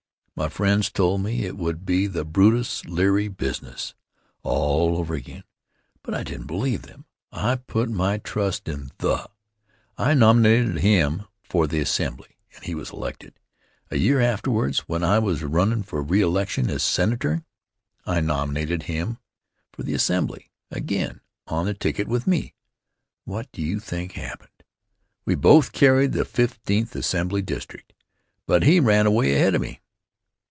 My friends told me it would be the Brutus Leary business all over again, but I didn't believe them. I put my trust in "The." I nominated him for the Assembly, and he was elected. A year afterwards, when I was runnin' for re election as Senator, I nominated him for the Assembly again on the ticket with me. What do you think happened? We both carried the Fifteenth Assembly District, but he ran away ahead of me.